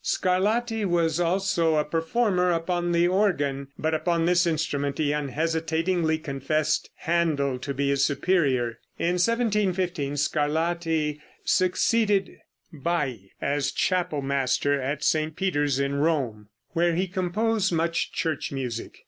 Scarlatti was also a performer upon the organ, but upon this instrument he unhesitatingly confessed Händel to be his superior. In 1715 Scarlatti succeeded Baj as chapel master at St. Peter's in Rome, where he composed much church music.